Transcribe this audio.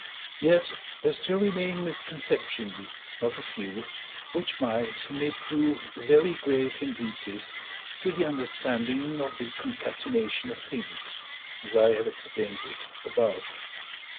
Yet there still remain misconceptions not a few, which might and may prove very grave hindrances to the understanding of the concatenation of things, as I have explained it above.